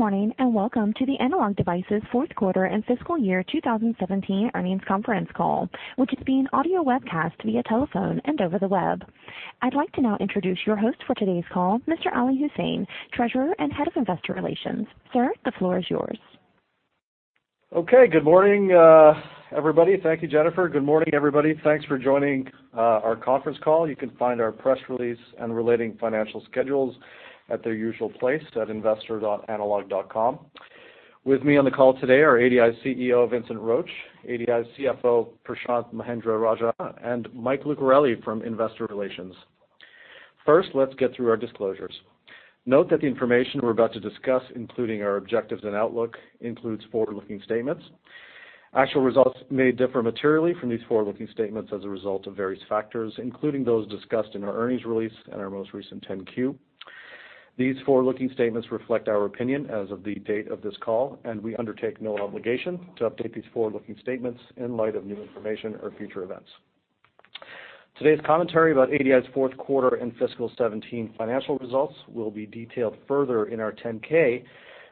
Good morning, and welcome to the Analog Devices fourth quarter and fiscal year 2017 earnings conference call, which is being audio webcast via telephone and over the web. I'd like to now introduce your host for today's call, Mr. Ali Husain, Treasurer and Head of Investor Relations. Sir, the floor is yours. Okay. Good morning, everybody. Thank you, Jennifer. Good morning, everybody. Thanks for joining our conference call. You can find our press release and relating financial schedules at their usual place at investor.analog.com. With me on the call today are ADI's CEO, Vincent Roche, ADI's CFO, Prashanth Mahendra-Rajah, and Michael Lucarelli from Investor Relations. First, let's get through our disclosures. Note that the information we're about to discuss, including our objectives and outlook, includes forward-looking statements. Actual results may differ materially from these forward-looking statements as a result of various factors, including those discussed in our earnings release and our most recent 10-Q. These forward-looking statements reflect our opinion as of the date of this call, and we undertake no obligation to update these forward-looking statements in light of new information or future events. Today's commentary about ADI's fourth quarter and fiscal 2017 financial results will be detailed further in our 10-K,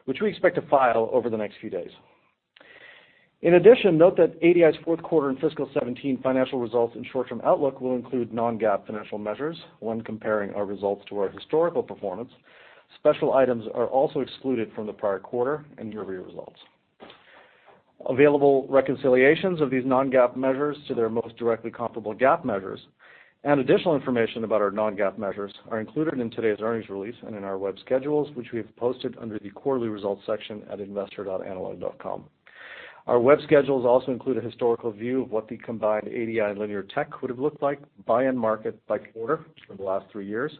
which we expect to file over the next few days. In addition, note that ADI's fourth quarter and fiscal 2017 financial results and short-term outlook will include non-GAAP financial measures when comparing our results to our historical performance. Special items are also excluded from the prior quarter and year-over-year results. Available reconciliations of these non-GAAP measures to their most directly comparable GAAP measures and additional information about our non-GAAP measures are included in today's earnings release and in our web schedules, which we have posted under the Quarterly Results section at investor.analog.com. Our web schedules also include a historical view of what the combined ADI and Linear Technology would've looked like by end market by quarter for the last three years.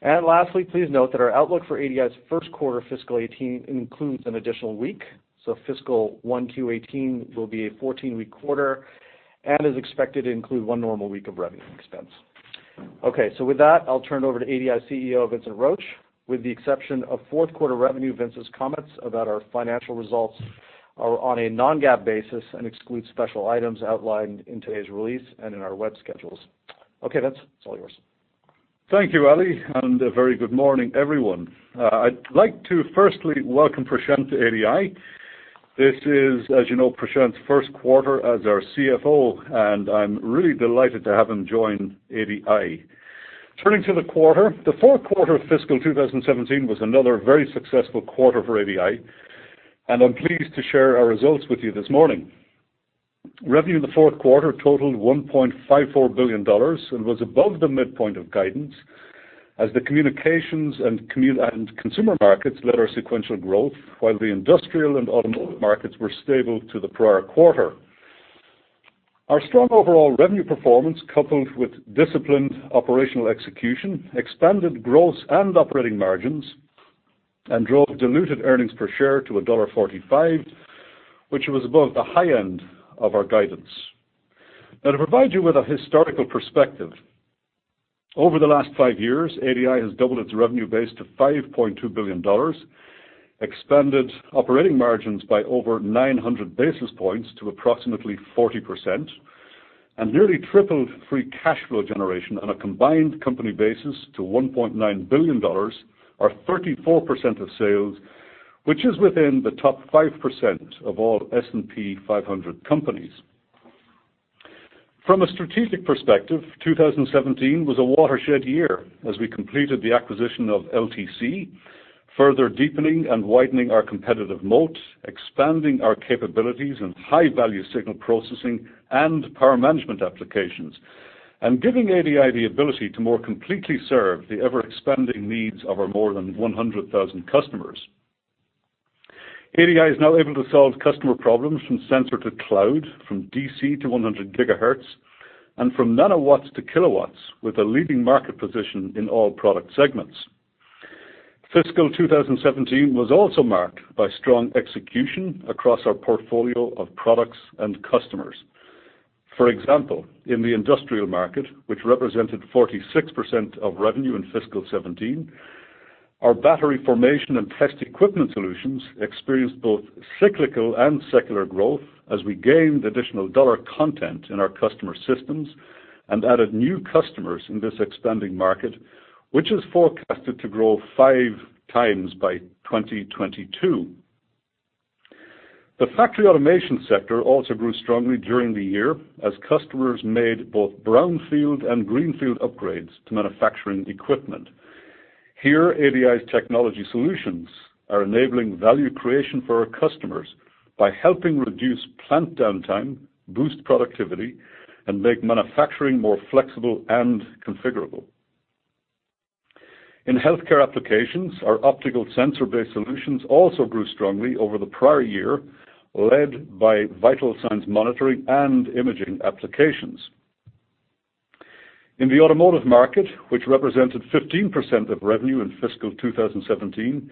Lastly, please note that our outlook for ADI's first quarter fiscal 2018 includes an additional week, so fiscal 1Q 2018 will be a 14-week quarter and is expected to include one normal week of revenue expense. Okay, with that, I'll turn it over to ADI CEO, Vincent Roche. With the exception of fourth quarter revenue, Vincent's comments about our financial results are on a non-GAAP basis and exclude special items outlined in today's release and in our web schedules. Okay, Vince, it's all yours. Thank you, Ali, and a very good morning, everyone. I'd like to firstly welcome Prashanth to ADI. This is, as you know, Prashanth's first quarter as our CFO, and I'm really delighted to have him join ADI. Turning to the quarter, the fourth quarter of fiscal 2017 was another very successful quarter for ADI, and I'm pleased to share our results with you this morning. Revenue in the fourth quarter totaled $1.54 billion and was above the midpoint of guidance as the communications and consumer markets led our sequential growth, while the industrial and automotive markets were stable to the prior quarter. Our strong overall revenue performance, coupled with disciplined operational execution, expanded gross and operating margins and drove diluted earnings per share to $1.45, which was above the high end of our guidance. To provide you with a historical perspective, over the last five years, ADI has doubled its revenue base to $5.2 billion, expanded operating margins by over 900 basis points to approximately 40%, and nearly tripled free cash flow generation on a combined company basis to $1.9 billion, or 34% of sales, which is within the top 5% of all S&P 500 companies. From a strategic perspective, 2017 was a watershed year as we completed the acquisition of LTC, further deepening and widening our competitive moat, expanding our capabilities in high-value signal processing and power management applications, and giving ADI the ability to more completely serve the ever-expanding needs of our more than 100,000 customers. ADI is now able to solve customer problems from sensor to cloud, from DC to 100 gigahertz, and from nanowatts to kilowatts with a leading market position in all product segments. Fiscal 2017 was also marked by strong execution across our portfolio of products and customers. For example, in the industrial market, which represented 46% of revenue in fiscal 2017, our battery formation and test equipment solutions experienced both cyclical and secular growth as we gained additional dollar content in our customer systems and added new customers in this expanding market, which is forecasted to grow five times by 2022. The factory automation sector also grew strongly during the year as customers made both brownfield and greenfield upgrades to manufacturing equipment. Here, ADI's technology solutions are enabling value creation for our customers by helping reduce plant downtime, boost productivity, and make manufacturing more flexible and configurable. In healthcare applications, our optical sensor-based solutions also grew strongly over the prior year, led by vital signs monitoring and imaging applications. In the automotive market, which represented 15% of revenue in fiscal 2017,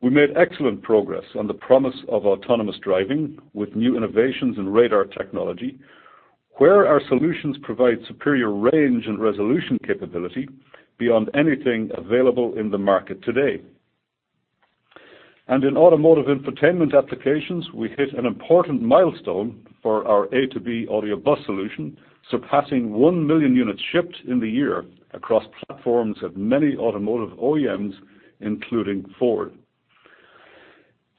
we made excellent progress on the promise of autonomous driving with new innovations in radar technology, where our solutions provide superior range and resolution capability beyond anything available in the market today. In automotive infotainment applications, we hit an important milestone for our A2B audio bus solution, surpassing 1 million units shipped in the year across platforms of many automotive OEMs, including Ford.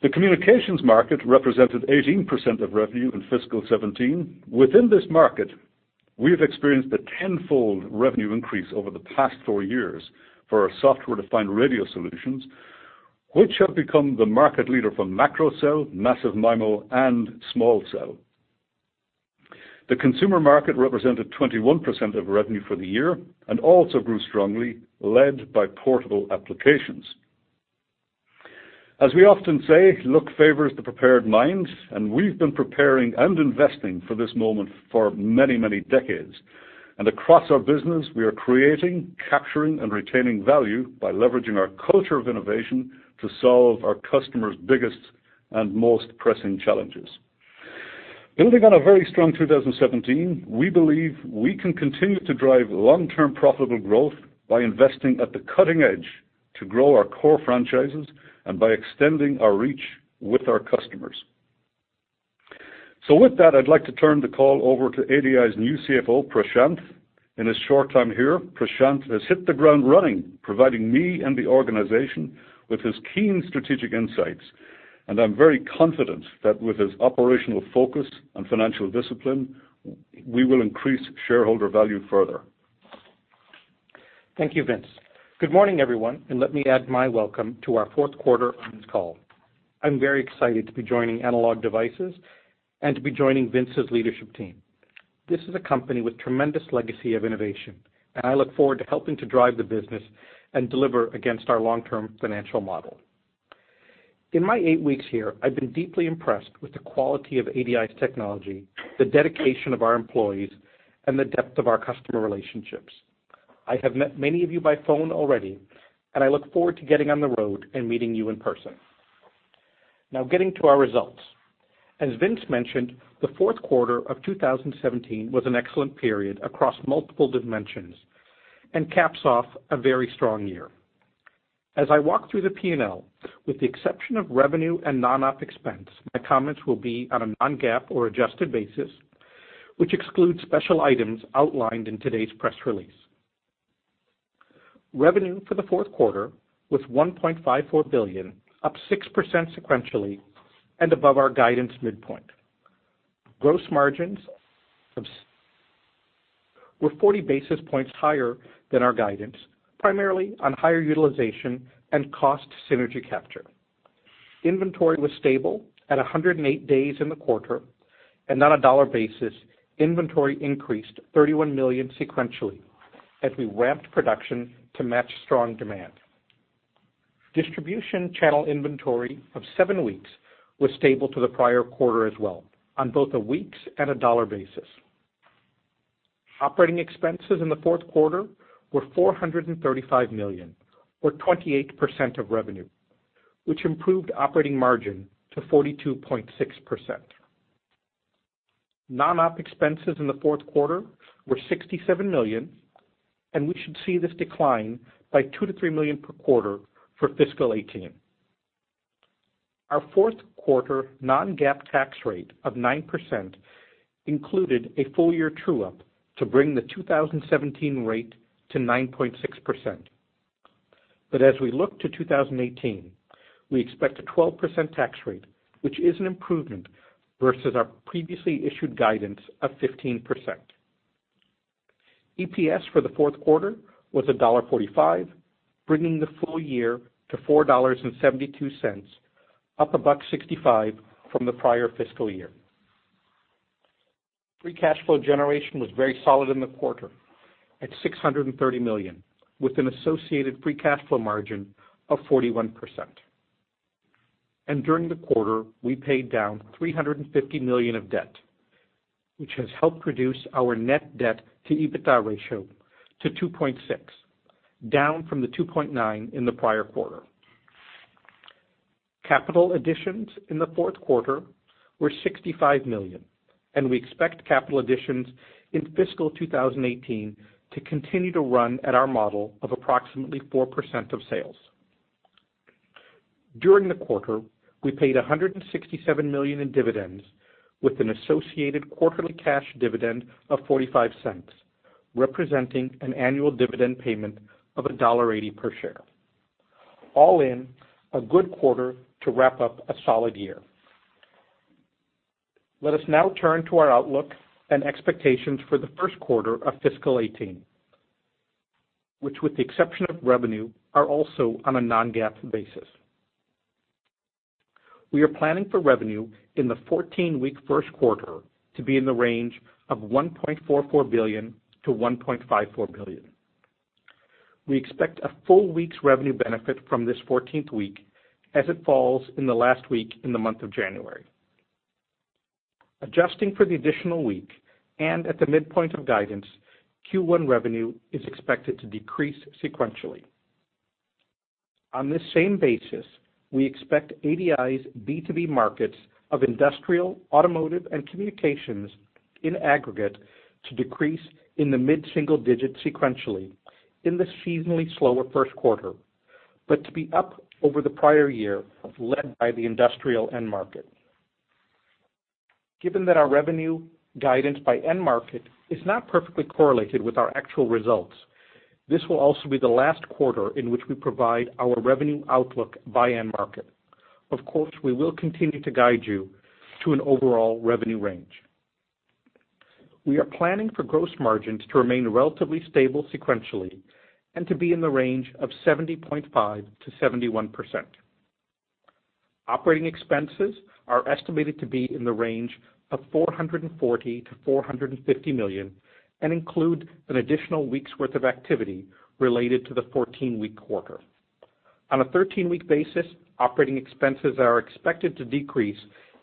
The communications market represented 18% of revenue in fiscal 2017. Within this market, we've experienced a tenfold revenue increase over the past four years for our software-defined radio solutions, which have become the market leader for macro cell, massive MIMO, and small cell. The consumer market represented 21% of revenue for the year and also grew strongly, led by portable applications. As we often say, luck favors the prepared mind, we've been preparing and investing for this moment for many, many decades. Across our business, we are creating, capturing, and retaining value by leveraging our culture of innovation to solve our customers' biggest and most pressing challenges. Building on a very strong 2017, we believe we can continue to drive long-term profitable growth by investing at the cutting edge to grow our core franchises and by extending our reach with our customers. With that, I'd like to turn the call over to ADI's new CFO, Prashanth. In his short time here, Prashanth has hit the ground running, providing me and the organization with his keen strategic insights. I'm very confident that with his operational focus and financial discipline, we will increase shareholder value further. Thank you, Vince. Good morning, everyone, and let me add my welcome to our fourth quarter earnings call. I'm very excited to be joining Analog Devices and to be joining Vince's leadership team. This is a company with tremendous legacy of innovation, and I look forward to helping to drive the business and deliver against our long-term financial model. In my eight weeks here, I've been deeply impressed with the quality of ADI's technology, the dedication of our employees, and the depth of our customer relationships. I have met many of you by phone already, and I look forward to getting on the road and meeting you in person. Getting to our results. As Vince mentioned, the fourth quarter of 2017 was an excellent period across multiple dimensions and caps off a very strong year. As I walk through the P&L, with the exception of revenue and non-op expense, my comments will be on a non-GAAP or adjusted basis, which excludes special items outlined in today's press release. Revenue for the fourth quarter was $1.54 billion, up 6% sequentially, and above our guidance midpoint. Gross margins were 40 basis points higher than our guidance, primarily on higher utilization and cost synergy capture. Inventory was stable at 108 days in the quarter, and on a dollar basis, inventory increased $31 million sequentially as we ramped production to match strong demand. Distribution channel inventory of seven weeks was stable to the prior quarter as well, on both a weeks and a dollar basis. Operating expenses in the fourth quarter were $435 million or 28% of revenue, which improved operating margin to 42.6%. Non-op expenses in the fourth quarter were $67 million, we should see this decline by $2 million-$3 million per quarter for fiscal 2018. Our fourth quarter non-GAAP tax rate of 9% included a full-year true-up to bring the 2017 rate to 9.6%. As we look to 2018, we expect a 12% tax rate, which is an improvement versus our previously issued guidance of 15%. EPS for the fourth quarter was $1.45, bringing the full year to $4.72, up $1.65 from the prior fiscal year. Free cash flow generation was very solid in the quarter at $630 million with an associated free cash flow margin of 41%. During the quarter, we paid down $350 million of debt, which has helped reduce our net debt to EBITDA ratio to 2.6, down from the 2.9 in the prior quarter. Capital additions in the fourth quarter were $65 million. We expect capital additions in fiscal 2018 to continue to run at our model of approximately 4% of sales. During the quarter, we paid $167 million in dividends with an associated quarterly cash dividend of $0.45, representing an annual dividend payment of $1.80 per share. All in, a good quarter to wrap up a solid year. Let us now turn to our outlook and expectations for the first quarter of fiscal 2018, which with the exception of revenue, are also on a non-GAAP basis. We are planning for revenue in the 14-week first quarter to be in the range of $1.44 billion-$1.54 billion. We expect a full week's revenue benefit from this 14th week as it falls in the last week in the month of January. Adjusting for the additional week, at the midpoint of guidance, Q1 revenue is expected to decrease sequentially. On this same basis, we expect ADI's B2B markets of industrial, automotive, and communications in aggregate to decrease in the mid-single digits sequentially in the seasonally slower first quarter, but to be up over the prior year, led by the industrial end market. Given that our revenue guidance by end market is not perfectly correlated with our actual results, this will also be the last quarter in which we provide our revenue outlook by end market. Of course, we will continue to guide you to an overall revenue range. We are planning for gross margins to remain relatively stable sequentially and to be in the range of 70.5%-71%. Operating expenses are estimated to be in the range of $440 million-$450 million and include an additional week's worth of activity related to the 14-week quarter. On a 13-week basis, operating expenses are expected to decrease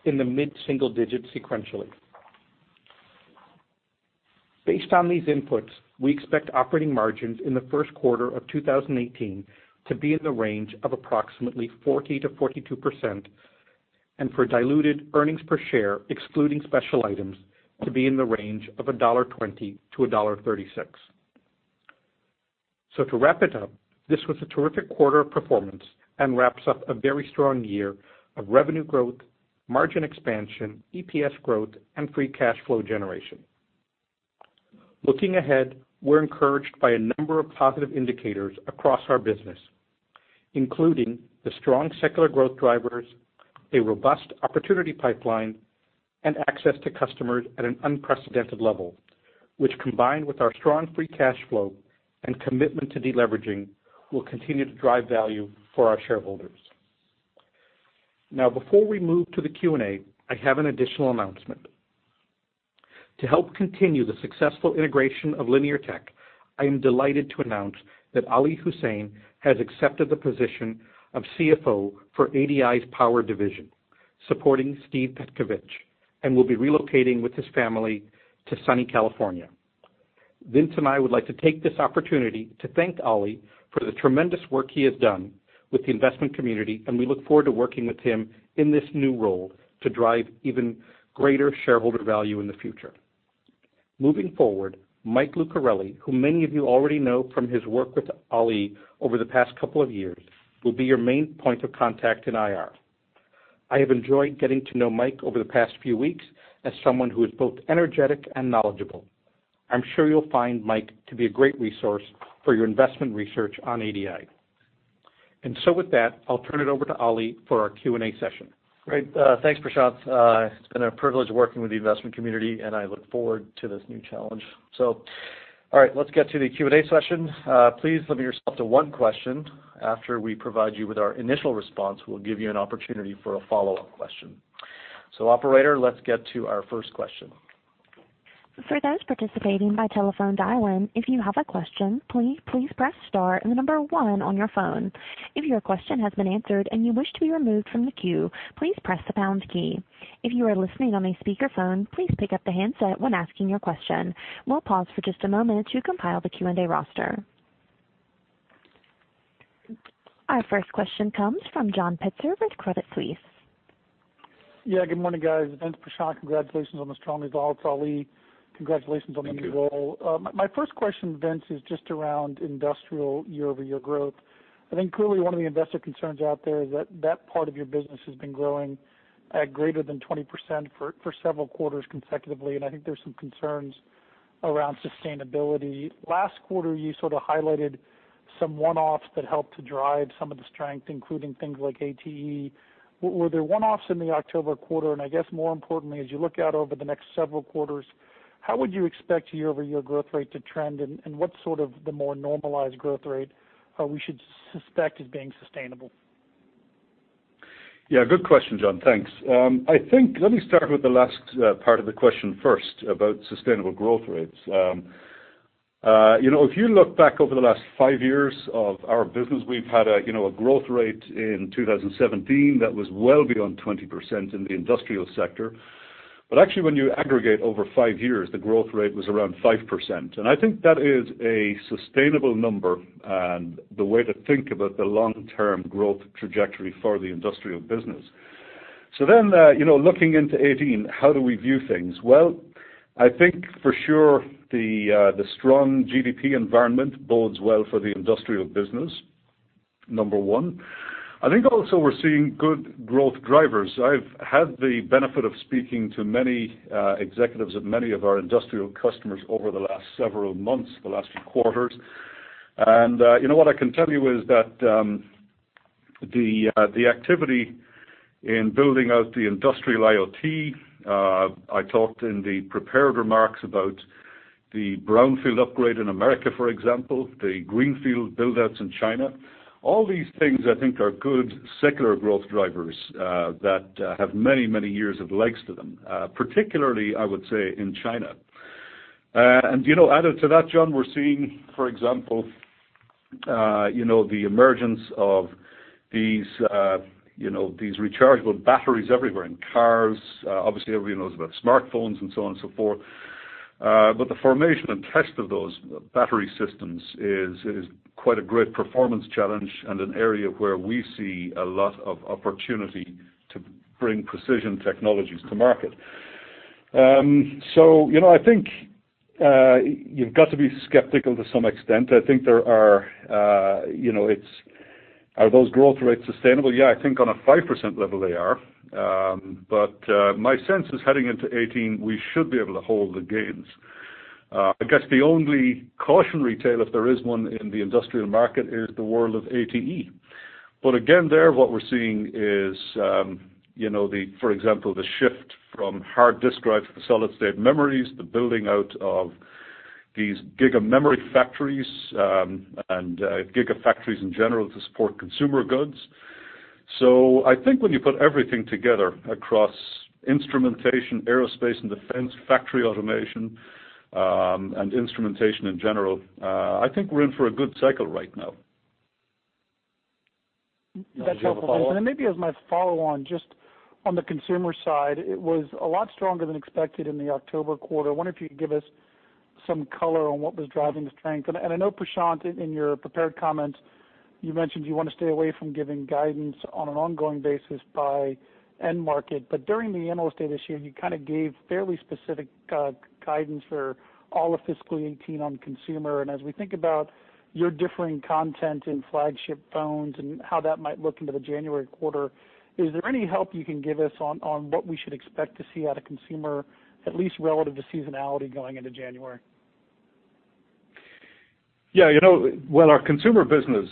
in the mid-single digits sequentially. Based on these inputs, we expect operating margins in the first quarter of 2018 to be in the range of approximately 40%-42% and for diluted earnings per share, excluding special items, to be in the range of $1.20-$1.36. To wrap it up, this was a terrific quarter of performance and wraps up a very strong year of revenue growth, margin expansion, EPS growth, and free cash flow generation. Looking ahead, we're encouraged by a number of positive indicators across our business, including the strong secular growth drivers, a robust opportunity pipeline, and access to customers at an unprecedented level, which combined with our strong free cash flow and commitment to deleveraging, will continue to drive value for our shareholders. Before we move to the Q&A, I have an additional announcement. To help continue the successful integration of Linear Technology, I am delighted to announce that Ali Husain has accepted the position of CFO for ADI's Power division, supporting Steve Pietkiewicz, and will be relocating with his family to sunny California. Vince and I would like to take this opportunity to thank Ali for the tremendous work he has done with the investment community, and we look forward to working with him in this new role to drive even greater shareholder value in the future. Moving forward, Michael Lucarelli, who many of you already know from his work with Ali over the past couple of years, will be your main point of contact in IR. I have enjoyed getting to know Mike over the past few weeks as someone who is both energetic and knowledgeable. I'm sure you'll find Mike to be a great resource for your investment research on ADI. With that, I'll turn it over to Ali for our Q&A session. Great. Thanks, Prashanth. It's been a privilege working with the investment community, and I look forward to this new challenge. All right, let's get to the Q&A session. Please limit yourself to one question. After we provide you with our initial response, we'll give you an opportunity for a follow-up question. Operator, let's get to our first question. For those participating by telephone dial-in, if you have a question, please press star and the number one on your phone. If your question has been answered and you wish to be removed from the queue, please press the pound key. If you are listening on a speakerphone, please pick up the handset when asking your question. We'll pause for just a moment to compile the Q&A roster. Our first question comes from John Pitzer with Credit Suisse. Yeah, good morning, guys. Vince, Prashanth, congratulations on the strong results. Ali, congratulations on the new role. Thank you. My first question, Vince, is just around industrial year-over-year growth. I think clearly one of the investor concerns out there is that that part of your business has been growing at greater than 20% for several quarters consecutively, and I think there's some concerns around sustainability. Last quarter, you sort of highlighted some one-offs that helped to drive some of the strength, including things like ATE. Were there one-offs in the October quarter? I guess more importantly, as you look out over the next several quarters, how would you expect year-over-year growth rate to trend, and what's sort of the more normalized growth rate we should suspect is being sustainable? Yeah, good question, John. Thanks. Let me start with the last part of the question first about sustainable growth rates. If you look back over the last five years of our business, we've had a growth rate in 2017 that was well beyond 20% in the industrial sector. Actually, when you aggregate over five years, the growth rate was around 5%. I think that is a sustainable number and the way to think about the long-term growth trajectory for the industrial business. Looking into 2018, how do we view things? Well, I think for sure the strong GDP environment bodes well for the industrial business, number one. I think also we're seeing good growth drivers. I've had the benefit of speaking to many executives at many of our industrial customers over the last several months, the last few quarters, and what I can tell you is that the activity in building out the industrial IoT, I talked in the prepared remarks about the brownfield upgrade in America, for example, the greenfield build-outs in China. All these things I think are good secular growth drivers that have many, many years of legs to them, particularly, I would say, in China. Added to that, John, we're seeing, for example the emergence of these rechargeable batteries everywhere in cars. Obviously, everybody knows about smartphones and so on and so forth. The formation and test of those battery systems is quite a great performance challenge and an area where we see a lot of opportunity to bring precision technologies to market. I think you've got to be skeptical to some extent. I think, are those growth rates sustainable? Yeah, I think on a 5% level they are. My sense is heading into 2018, we should be able to hold the gains. I guess the only cautionary tale, if there is one in the industrial market, is the world of ATE. Again, there what we're seeing is, for example, the shift from hard disk drive to solid state memories, the building out of these giga memory factories, and gigafactories in general to support consumer goods. I think when you put everything together across instrumentation, aerospace and defense, factory automation, and instrumentation in general, I think we're in for a good cycle right now. That's helpful, Vincent. Maybe as my follow-on, just on the consumer side, it was a lot stronger than expected in the October quarter. I wonder if you could give us some color on what was driving the strength. I know, Prashanth, in your prepared comments, you mentioned you want to stay away from giving guidance on an ongoing basis by end market. During the Analyst Day this year, you kind of gave fairly specific guidance for all of fiscal 2018 on consumer. As we think about your differing content in flagship phones and how that might look into the January quarter, is there any help you can give us on what we should expect to see out of consumer, at least relative to seasonality going into January? Yeah. Well, our consumer business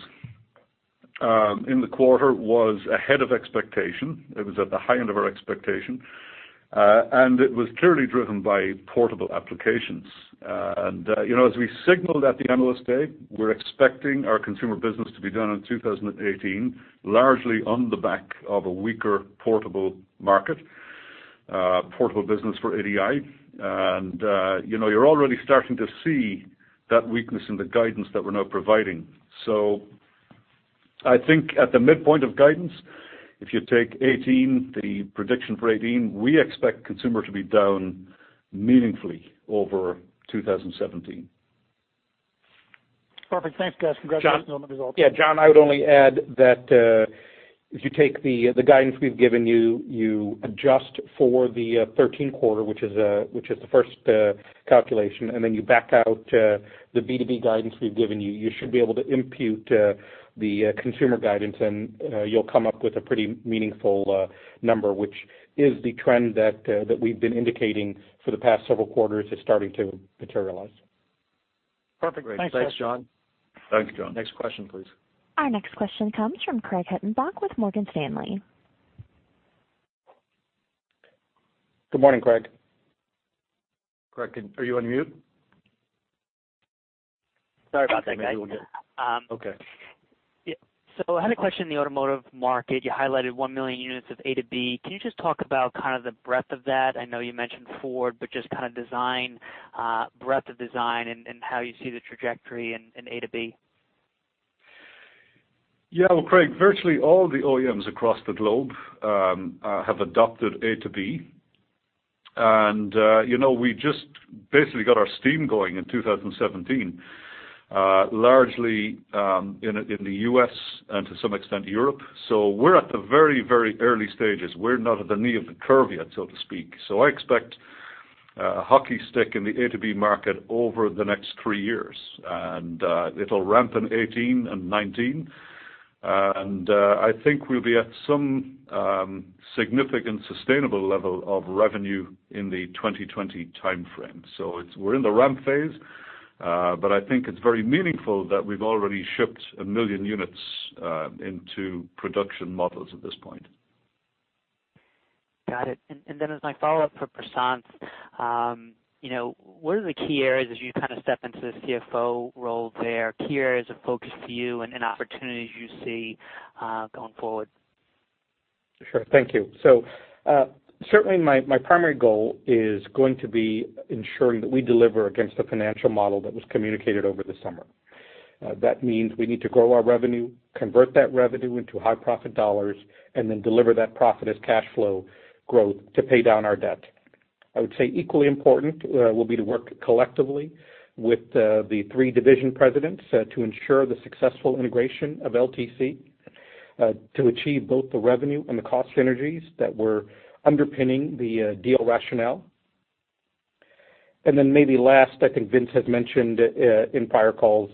in the quarter was ahead of expectation. It was at the high end of our expectation. It was clearly driven by portable applications. As we signaled at the Analyst Day, we're expecting our consumer business to be down in 2018, largely on the back of a weaker portable market, portable business for ADI. You're already starting to see that weakness in the guidance that we're now providing. I think at the midpoint of guidance, if you take 2018, the prediction for 2018, we expect consumer to be down meaningfully over 2017. Perfect. Thanks, guys. Congratulations on the results. John, I would only add that if you take the guidance we've given you adjust for the 13 quarter, which is the first calculation, and then you back out the B2B guidance we've given you should be able to impute the consumer guidance and you'll come up with a pretty meaningful number, which is the trend that we've been indicating for the past several quarters is starting to materialize. Perfect. Thanks, guys. Great. Thanks, John. Thanks, John. Next question, please. Our next question comes from Craig Hettenbach with Morgan Stanley. Good morning, Craig. Craig, are you on mute? Sorry about that, guys. Okay. Yeah. I had a question in the automotive market. You highlighted 1 million units of A2B. Can you just talk about kind of the breadth of that? I know you mentioned Ford, but just kind of breadth of design and how you see the trajectory in A2B. Yeah. Well, Craig, virtually all the OEMs across the globe have adopted A2B. We just basically got our steam going in 2017, largely in the U.S. and to some extent Europe. We're at the very, very early stages. We're not at the knee of the curve yet, so to speak. I expect a hockey stick in the A2B market over the next three years, and it'll ramp in 2018 and 2019. I think we'll be at some significant sustainable level of revenue in the 2020 timeframe. We're in the ramp phase, but I think it's very meaningful that we've already shipped 1 million units into production models at this point. Got it. Then as my follow-up for Prashanth, what are the key areas as you kind of step into the CFO role there, key areas of focus for you and opportunities you see going forward? Certainly my primary goal is going to be ensuring that we deliver against the financial model that was communicated over the summer. That means we need to grow our revenue, convert that revenue into high-profit dollars, and then deliver that profit as cash flow growth to pay down our debt. I would say equally important will be to work collectively with the three division presidents to ensure the successful integration of LTC to achieve both the revenue and the cost synergies that were underpinning the deal rationale. Maybe last, I think Vince had mentioned in prior calls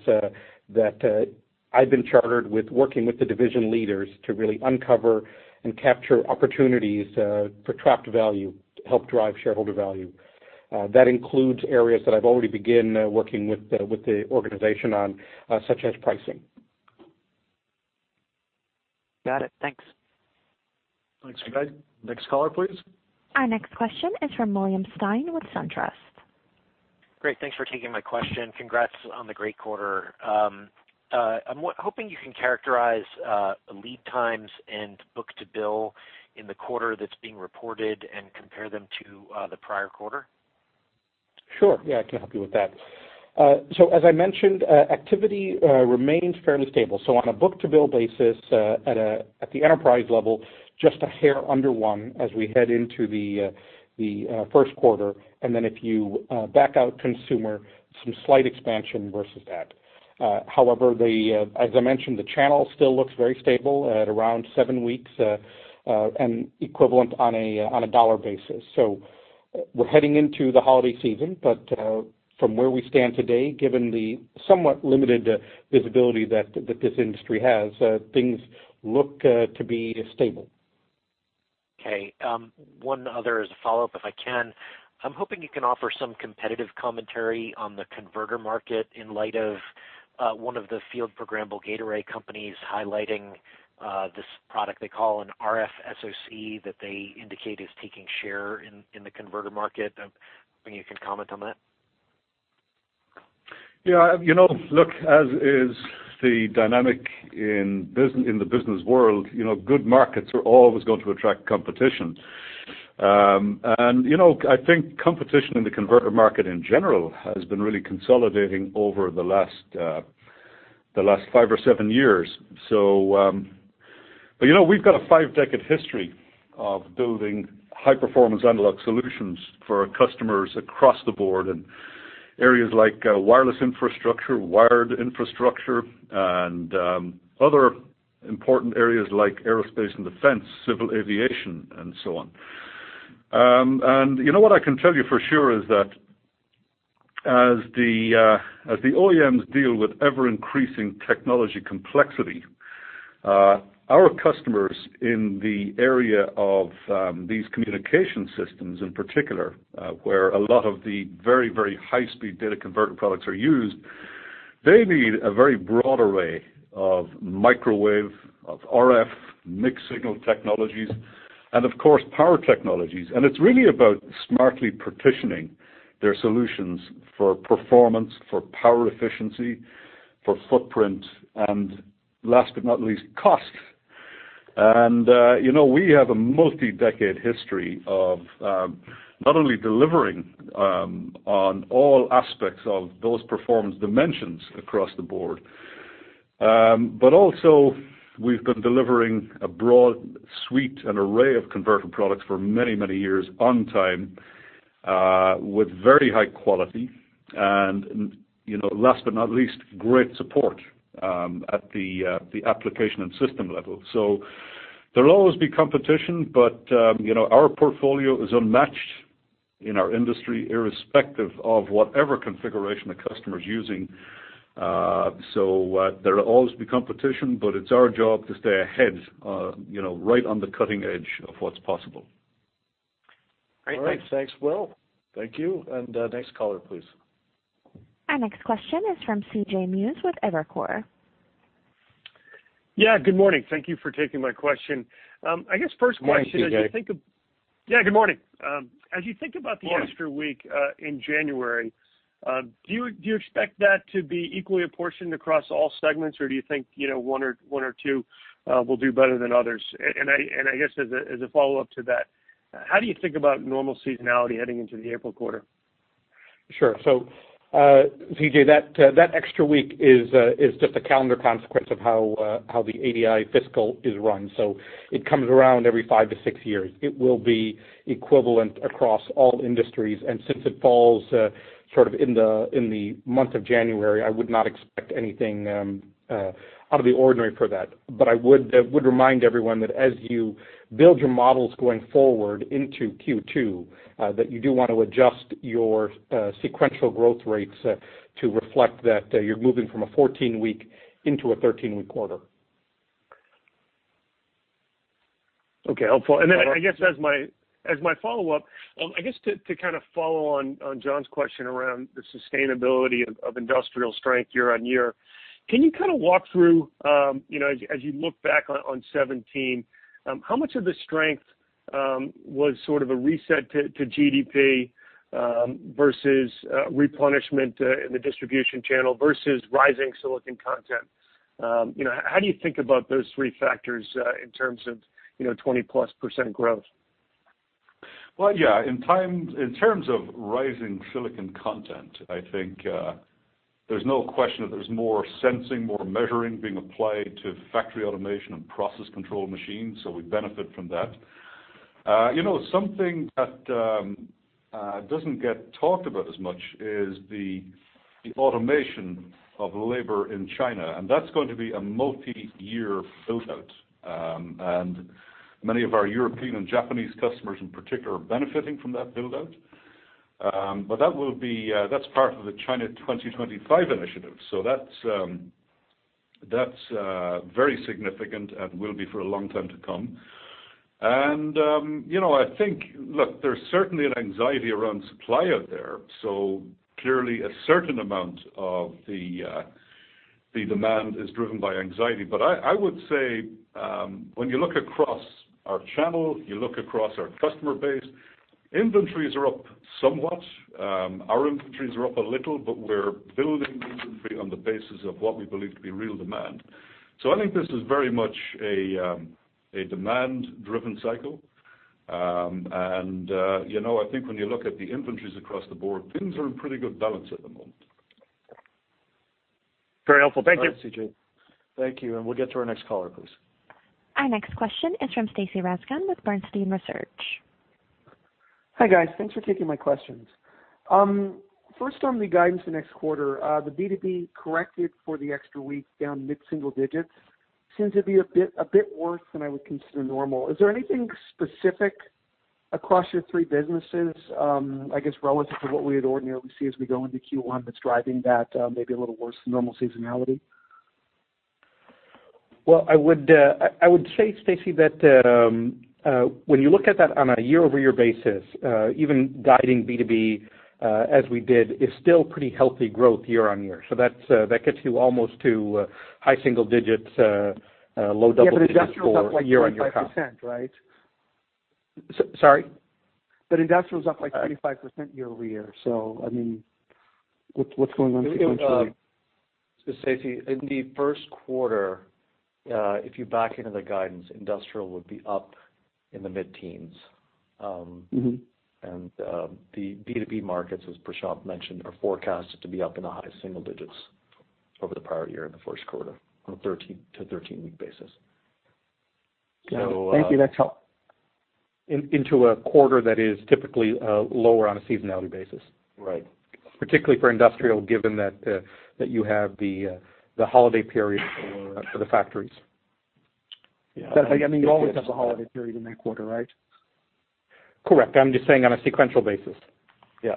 that I've been chartered with working with the division leaders to really uncover and capture opportunities for trapped value to help drive shareholder value. That includes areas that I've already begin working with the organization on, such as pricing. Got it. Thanks. Thanks, Craig. Next caller, please. Our next question is from William Stein with SunTrust. Great. Thanks for taking my question. Congrats on the great quarter. I'm hoping you can characterize lead times and book-to-bill in the quarter that's being reported and compare them to the prior quarter. Sure. Yeah, I can help you with that. As I mentioned, activity remains fairly stable. On a book-to-bill basis, at the enterprise level, just a hair under one as we head into the first quarter. If you back out consumer, some slight expansion versus that. However, as I mentioned, the channel still looks very stable at around seven weeks and equivalent on a $ basis. We're heading into the holiday season. From where we stand today, given the somewhat limited visibility that this industry has, things look to be stable. Okay. One other as a follow-up, if I can. I'm hoping you can offer some competitive commentary on the converter market in light of one of the field programmable gate array companies highlighting this product they call an RFSoC that they indicate is taking share in the converter market. Maybe you can comment on that. Yeah. Look, as is the dynamic in the business world, good markets are always going to attract competition. I think competition in the converter market in general has been really consolidating over the last five or seven years. We've got a five-decade history of building high-performance analog solutions for our customers across the board in areas like wireless infrastructure, wired infrastructure, and other important areas like aerospace and defense, civil aviation, and so on. What I can tell you for sure is that as the OEMs deal with ever-increasing technology complexity, our customers in the area of these communication systems, in particular, where a lot of the very high-speed data converter products are used, they need a very broad array of microwave, RF, mixed-signal technologies, and, of course, power technologies. It's really about smartly partitioning their solutions for performance, for power efficiency, for footprint, and last but not least, cost. We have a multi-decade history of not only delivering on all aspects of those performance dimensions across the board, but also we've been delivering a broad suite and array of converter products for many years on time with very high quality. Last but not least, great support at the application and system level. There'll always be competition, but our portfolio is unmatched in our industry, irrespective of whatever configuration the customer's using. There will always be competition, but it's our job to stay ahead, right on the cutting edge of what's possible. Great. Thanks. All right. Thanks, Will. Thank you. Next caller, please. Our next question is from C.J. Muse with Evercore. Good morning. Thank you for taking my question. I guess first question. Hi, C.J. Good morning. As you think about the extra week in January, do you expect that to be equally apportioned across all segments, or do you think one or two will do better than others? I guess, as a follow-up to that, how do you think about normal seasonality heading into the April quarter? Sure. C.J., that extra week is just a calendar consequence of how the ADI fiscal is run. It comes around every five to six years. It will be equivalent across all industries, and since it falls sort of in the month of January, I would not expect anything out of the ordinary for that. I would remind everyone that as you build your models going forward into Q2, that you do want to adjust your sequential growth rates to reflect that you're moving from a 14-week into a 13-week quarter. Okay. Helpful. I guess as my follow-up, I guess to kind of follow on John's question around the sustainability of industrial strength year-on-year, can you kind of walk through, as you look back on 2017, how much of the strength was sort of a reset to GDP versus replenishment in the distribution channel versus rising silicon content? How do you think about those three factors in terms of 20-plus % growth? Well, yeah, in terms of rising silicon content, I think there's no question that there's more sensing, more measuring being applied to factory automation and process control machines, so we benefit from that. Something that doesn't get talked about as much is the automation of labor in China. That's going to be a multi-year build-out. Many of our European and Japanese customers in particular are benefiting from that build-out. That's part of the China 2025 Initiative, so that's very significant and will be for a long time to come. I think, look, there's certainly an anxiety around supply out there. Clearly a certain amount of the demand is driven by anxiety. I would say when you look across our channel, you look across our customer base, inventories are up somewhat. Our inventories are up a little, but we're building the inventory on the basis of what we believe to be real demand. I think this is very much a demand-driven cycle. I think when you look at the inventories across the board, things are in pretty good balance at the moment. Very helpful. Thank you. All right, C.J. Thank you. We'll get to our next caller, please. Our next question is from Stacy Rasgon with Bernstein Research. Hi, guys. Thanks for taking my questions. First on the guidance the next quarter, the B2B corrected for the extra week down mid-single digits, seems to be a bit worse than I would consider normal. Is there anything specific across your three businesses, I guess, relative to what we would ordinarily see as we go into Q1 that's driving that maybe a little worse than normal seasonality? Well, I would say, Stacy, that when you look at that on a year-over-year basis, even guiding B2B as we did, is still pretty healthy growth year-on-year. That gets you almost to high single digits, low double digits for year-on-year comp. Industrial's up, like, 25%, right? Sorry? Industrial's up, like, 25% year-over-year. What's going on sequentially? Stacy, in the first quarter, if you back into the guidance, industrial would be up in the mid-teens. The B2B markets, as Prashanth mentioned, are forecasted to be up in the high single digits over the prior year in the first quarter, on a 13-week basis. Thank you. That's helpful. Into a quarter that is typically lower on a seasonality basis. Right. Particularly for industrial, given that you have the holiday period for the factories. Yeah. You always have the holiday period in that quarter, right? Correct. I'm just saying on a sequential basis. Yeah.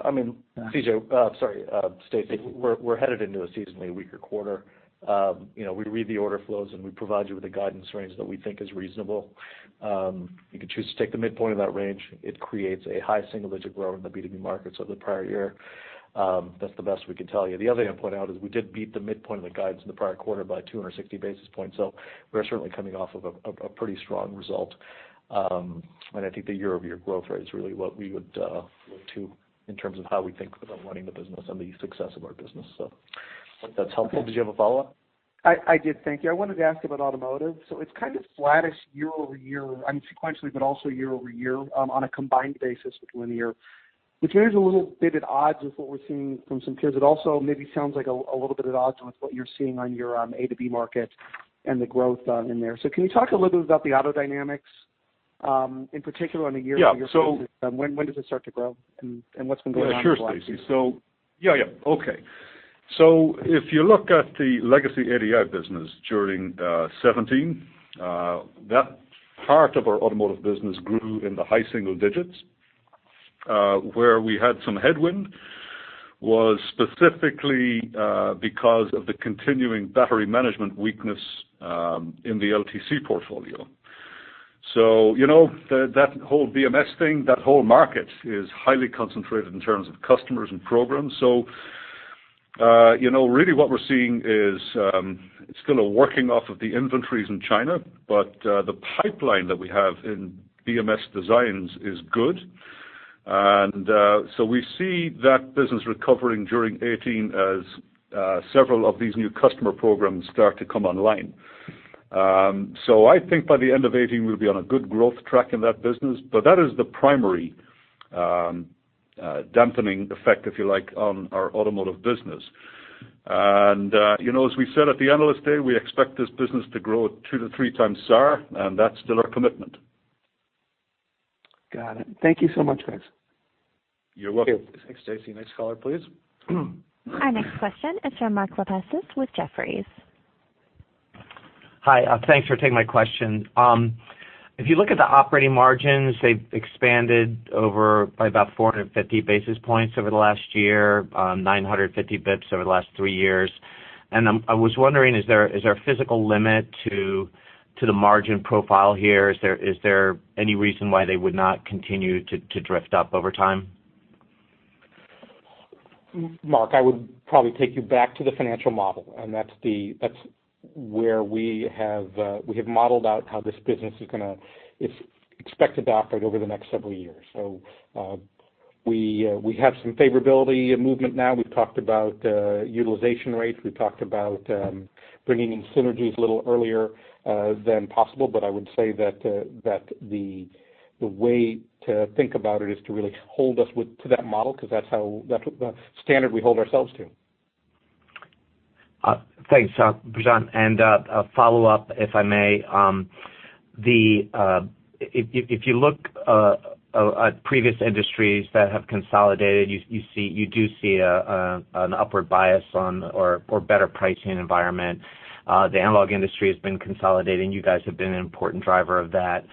Stacy, we're headed into a seasonally weaker quarter. We read the order flows, we provide you with a guidance range that we think is reasonable. You could choose to take the midpoint of that range. It creates a high single-digit growth in the B2B markets over the prior year. That's the best we can tell you. The other thing I'd point out is we did beat the midpoint of the guidance in the prior quarter by 260 basis points. We're certainly coming off of a pretty strong result. I think the year-over-year growth rate is really what we would look to in terms of how we think about running the business and the success of our business. Hope that's helpful. Did you have a follow-up? I did. Thank you. I wanted to ask about automotive. It's kind of flattish year-over-year, sequentially, but also year-over-year on a combined basis with Linear, which is a little bit at odds with what we're seeing from some peers. It also maybe sounds like a little bit at odds with what you're seeing on your A2B market and the growth in there. Can you talk a little bit about the auto dynamics, in particular on a year-over-year basis? Yeah. When does it start to grow, what's been going on for the last few years? Yeah, sure, Stacy. If you look at the legacy ADI business during 2017, that part of our automotive business grew in the high single digits. Where we had some headwind was specifically because of the continuing Battery Management System weakness in the LTC portfolio. That whole BMS thing, that whole market is highly concentrated in terms of customers and programs. Really what we're seeing is, it's still a working off of the inventories in China, but the pipeline that we have in BMS designs is good. We see that business recovering during 2018 as several of these new customer programs start to come online. I think by the end of 2018, we'll be on a good growth track in that business, but that is the primary dampening effect, if you like, on our automotive business. As we said at the Analyst Day, we expect this business to grow two to three times SAAR, and that's still our commitment. Got it. Thank you so much, guys. You're welcome. Thanks, Stacy. Next caller, please. Our next question is from Mark Lipacis with Jefferies. Hi. Thanks for taking my question. If you look at the operating margins, they've expanded over by about 450 basis points over the last year, 950 basis points over the last three years. I was wondering, is there a physical limit to the margin profile here? Is there any reason why they would not continue to drift up over time? Mark, I would probably take you back to the financial model, that's where we have modeled out how this business is expected to operate over the next several years. We have some favorability movement now. We've talked about utilization rates. We've talked about bringing in synergies a little earlier than possible. I would say that the way to think about it is to really hold us to that model, because that's the standard we hold ourselves to. Thanks, Prashanth. A follow-up, if I may. If you look at previous industries that have consolidated, you do see an upward bias or better pricing environment. The analog industry has been consolidating. You guys have been an important driver of that.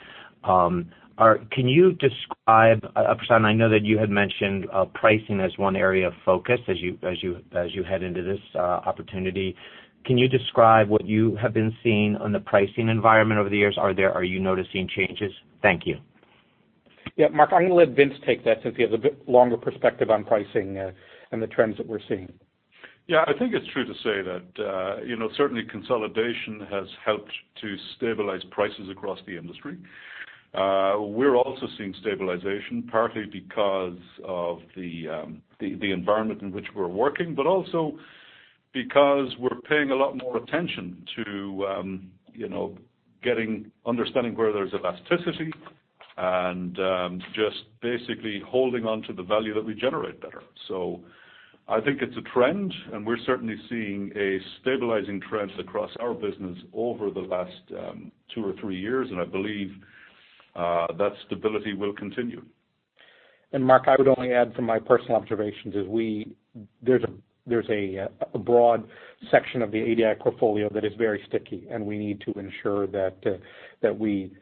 Prashanth, I know that you had mentioned pricing as one area of focus as you head into this opportunity. Can you describe what you have been seeing on the pricing environment over the years? Are you noticing changes? Thank you. Yeah, Mark, I'm going to let Vince take that since he has a bit longer perspective on pricing and the trends that we're seeing. Yeah, I think it's true to say that certainly consolidation has helped to stabilize prices across the industry. We're also seeing stabilization, partly because of the environment in which we're working, but also because we're paying a lot more attention to understanding where there's elasticity and just basically holding onto the value that we generate better. I think it's a trend, and we're certainly seeing a stabilizing trend across our business over the last two or three years, and I believe that stability will continue. Mark, I would only add from my personal observations, there's a broad section of the ADI portfolio that is very sticky, and we need to ensure that we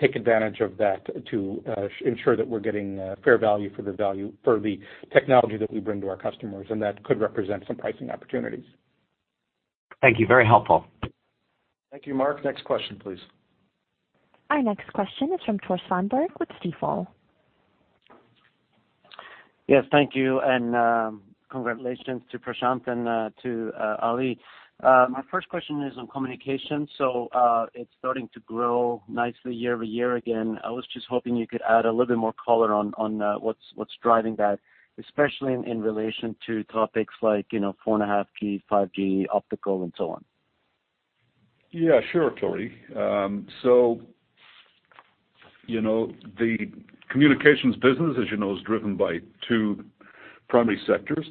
take advantage of that to ensure that we're getting fair value for the technology that we bring to our customers, and that could represent some pricing opportunities. Thank you. Very helpful. Thank you, Mark. Next question, please. Our next question is from Tore Svanberg with Stifel. Yes, thank you, and congratulations to Prashanth and to Ali. My first question is on communication. It's starting to grow nicely year-over-year again. I was just hoping you could add a little bit more color on what's driving that, especially in relation to topics like four and a half G, 5G, optical, and so on. Yeah, sure, Tore. The communications business, as you know, is driven by two primary sectors.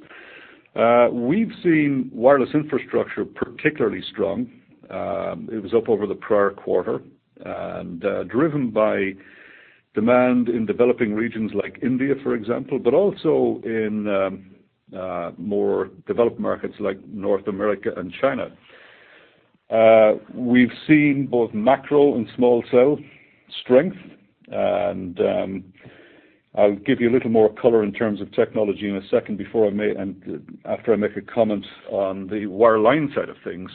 We've seen wireless infrastructure particularly strong. It was up over the prior quarter and driven by demand in developing regions like India, for example, but also in more developed markets like North America and China. We've seen both macro and small cell strength, and I'll give you a little more color in terms of technology in a second after I make a comment on the wireline side of things.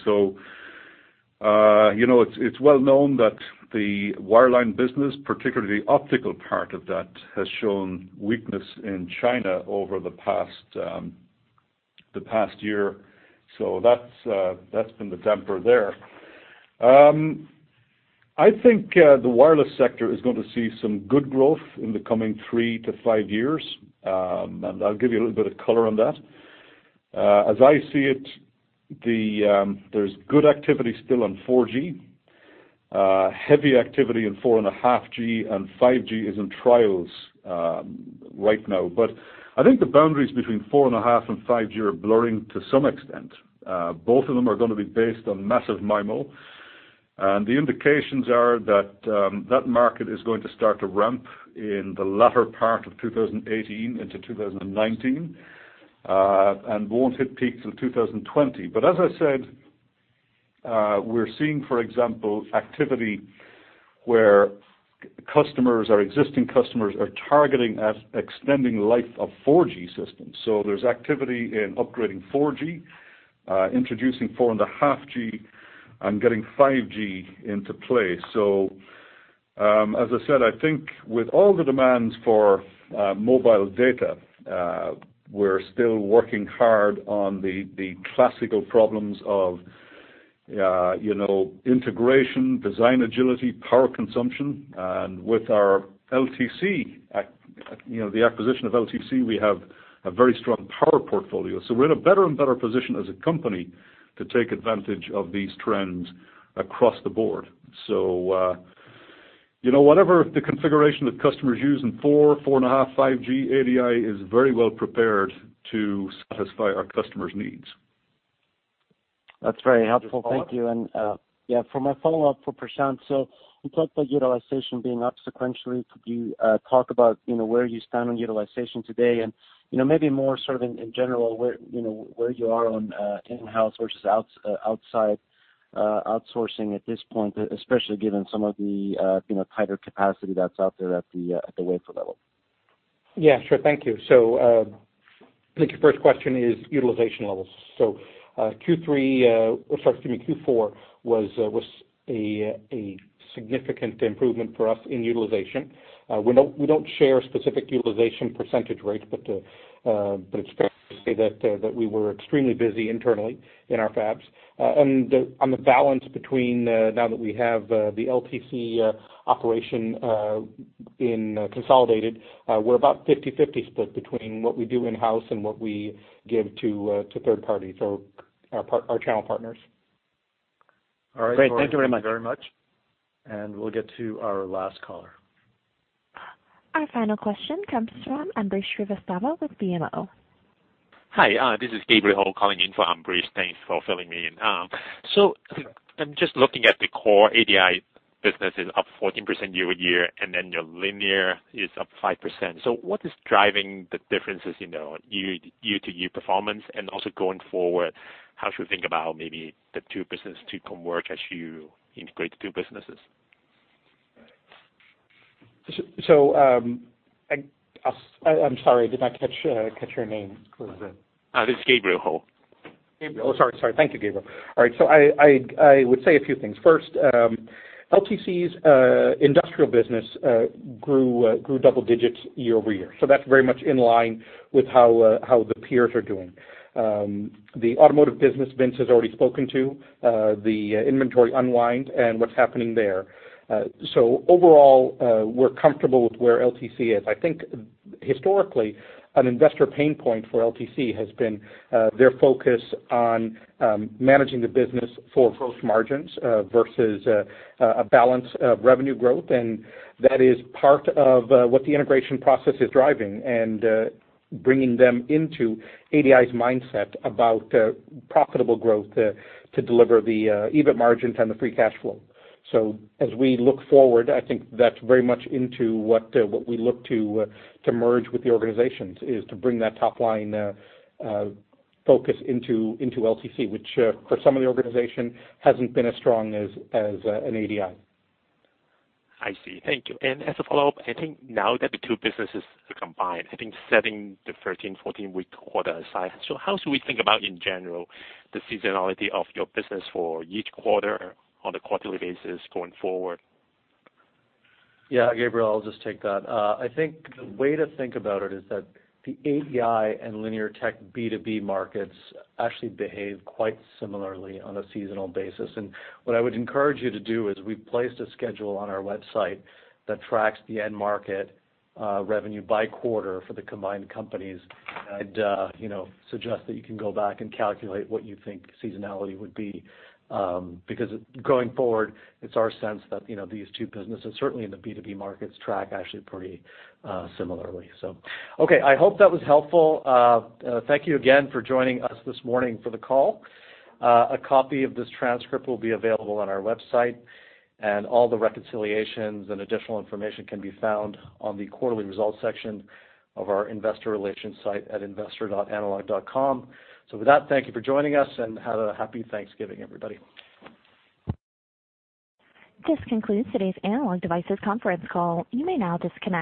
It's well known that the wireline business, particularly the optical part of that, has shown weakness in China over the past year. That's been the damper there. I think the wireless sector is going to see some good growth in the coming three to five years, and I'll give you a little bit of color on that. As I see it, there's good activity still on 4G, heavy activity in four and a half G, and 5G is in trials right now. I think the boundaries between four and a half and 5G are blurring to some extent. Both of them are going to be based on massive MIMO. The indications are that that market is going to start to ramp in the latter part of 2018 into 2019, and won't hit peaks until 2020. As I said, we're seeing, for example, activity where our existing customers are targeting extending the life of 4G systems. There's activity in upgrading 4G, introducing four and a half G, and getting 5G into play. As I said, I think with all the demands for mobile data, we're still working hard on the classical problems of integration, design agility, power consumption. With the acquisition of LTC, we have a very strong power portfolio. We're in a better and better position as a company to take advantage of these trends across the board. Whatever the configuration that customers use in four and a half, 5G, ADI is very well prepared to satisfy our customers' needs. That's very helpful. Thank you. For my follow-up for Prashanth, you talked about utilization being up sequentially. Could you talk about where you stand on utilization today and maybe more sort of in general, where you are on in-house versus outsourcing at this point, especially given some of the tighter capacity that's out there at the wafer level? Yeah, sure. Thank you. I think your first question is utilization levels. Q4 was a significant improvement for us in utilization. We don't share specific utilization percentage rates, but it's fair to say that we were extremely busy internally in our fabs. On the balance between, now that we have the LTC operation consolidated, we're about 50/50 split between what we do in-house and what we give to third parties, so our channel partners. All right. Great. Thank you very much. Thank you very much. We'll get to our last caller. Our final question comes from Ambrish Srivastava with BMO. Hi, this is Gabriel Ho calling in for Ambrish. Thanks for filling me in. I'm just looking at the core ADI business is up 14% year-over-year, and then your Linear is up 5%. What is driving the differences, year-to-year performance? Also going forward, how should we think about maybe the two businesses to come work as you integrate the two businesses? I'm sorry, I did not catch your name. What was that? This is Gabriel Ho. Gabriel. Oh, sorry. Thank you, Gabriel. All right. I would say a few things. First, LTC's industrial business grew double digits year-over-year. That's very much in line with how the peers are doing. The automotive business, Vincent has already spoken to the inventory unwind and what's happening there. Overall, we're comfortable with where LTC is. I think historically, an investor pain point for LTC has been their focus on managing the business for gross margins versus a balance of revenue growth, and that is part of what the integration process is driving and bringing them into ADI's mindset about profitable growth to deliver the EBIT margins and the free cash flow. As we look forward, I think that's very much into what we look to merge with the organizations, is to bring that top-line focus into LTC, which for some of the organization, hasn't been as strong as an ADI. I see. Thank you. As a follow-up, I think now that the two businesses are combined, I think setting the 13, 14-week quarter aside. How should we think about, in general, the seasonality of your business for each quarter on a quarterly basis going forward? Yeah, Gabriel, I'll just take that. I think the way to think about it is that the ADI and Linear Technology B2B markets actually behave quite similarly on a seasonal basis. What I would encourage you to do is we've placed a schedule on our website that tracks the end market revenue by quarter for the combined companies. I'd suggest that you can go back and calculate what you think seasonality would be. Because going forward, it's our sense that these two businesses, certainly in the B2B markets, track actually pretty similarly. Okay, I hope that was helpful. Thank you again for joining us this morning for the call. A copy of this transcript will be available on our website, and all the reconciliations and additional information can be found on the quarterly results section of our investor relations site at investor.analog.com. With that, thank you for joining us, and have a happy Thanksgiving, everybody. This concludes today's Analog Devices conference call. You may now disconnect.